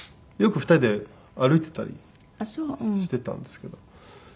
よく２人で歩いてたりしてたんですけど。